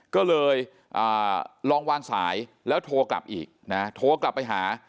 ก็เลยลองวางสายแล้วโทรกลับอีกนะโทรกลับไปหา